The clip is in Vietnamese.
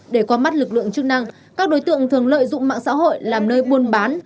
để qua mắt lực lượng chức năng các đối tượng thường lợi dụng mạng xã hội làm nơi buôn bán